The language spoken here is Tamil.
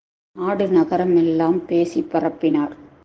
நாடு நகரமெல்லாம் பேசிப் பரப்பினார்.